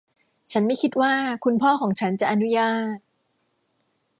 ฉันไม่คิดว่าคุณพ่อของฉันจะอนุญาต